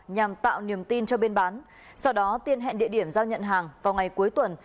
nhằm tạo niềm tin cho bên bán sau đó tiên hẹn địa điểm giao nhận hàng vào ngày cuối tuần